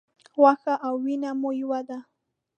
غوښه او وینه مو یوه ده.